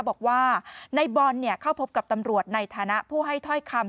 บอกว่าในบอลเข้าพบกับตำรวจในฐานะผู้ให้ถ้อยคำ